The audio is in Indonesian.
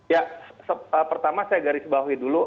ya pertama saya garis bawahi dulu